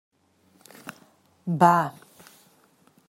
Bah!